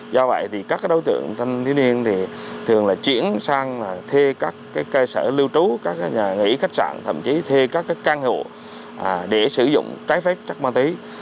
do vậy các đối tượng thanh tiếu niên thường chuyển sang thê các cơ sở lưu trú các nhà nghỉ khách sạn thậm chí thê các căn hộ để sử dụng trái phép chất ma túy